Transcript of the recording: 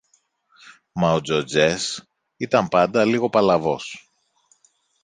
μα ο Τζοτζές ήταν πάντα λίγο παλαβός.